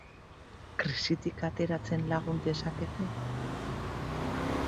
Krisitik ateratzen lagun dezakete?